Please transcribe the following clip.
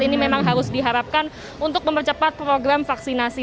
ini memang harus diharapkan untuk mempercepat program vaksinasi